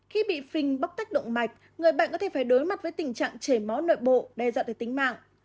khi bị phình bốc tách động mạch người bệnh có thể phải đối mặt với tình trạng chảy máu nội bộ đe dọa tới tính mạng